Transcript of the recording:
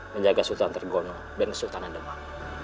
menjaga sultan tergono dan kesultanan demak